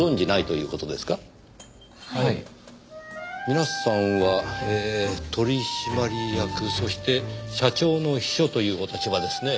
皆さんはえー取締役そして社長の秘書というお立場ですね？